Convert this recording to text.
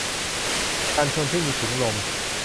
กันชนที่มีถุงลม